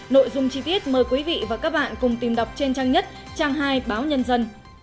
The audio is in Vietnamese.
nội dung chi tiết mời quý vị và các bạn cùng tìm đọc trên trang nhất trang hai báo nhân dân